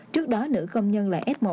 trước đó nữ công nhân là s một